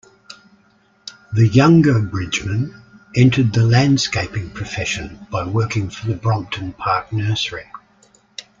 The younger Bridgeman entered the landscaping profession by working for the Brompton Park Nursery.